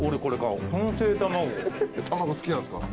卵好きなんすか？